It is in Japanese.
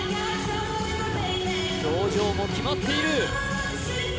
表情も決まっている